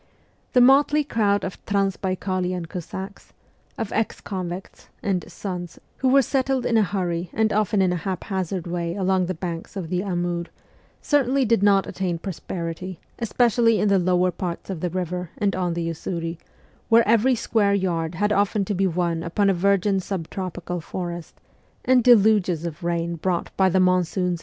The motley crowd of Transbaikalian Cossacks, of ex convicts, and ' sons/ who were settled in a hurry and often in a haphazard way along the banks of the Amur r certainly did not attain prosperity, especially in the lower parts of the river and on the Usuri, where every square yard had often to be won upon a virgin sub tropical forest, and deluges of rain brought by the monsoons.